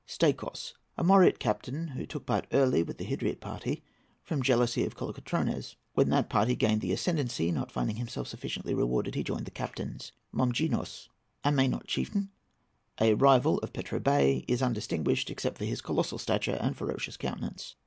STAIKOS.—A Moreot captain who took part early with the Hydriot party from jealousy of Kolokotrones. When that party gained the ascendency, not finding himself sufficiently rewarded, he joined the captains. MOMGINOS.—A Mainot chieftain, a rival of Petro Bey; is undistinguished, except by his colossal stature and ferocious countenance.